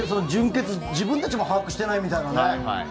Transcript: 準決、自分たちでも把握してないみたいな。